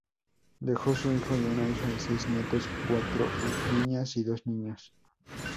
Dejó un hijo y una hija y seis nietos, cuatro niñas y dos niños.